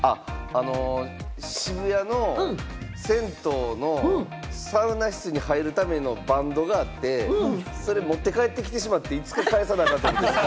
渋谷の銭湯のサウナ室に入るためのバンドがあって、それ持って帰ってきてしまって、いつか返さなあかんと思って、入れてます。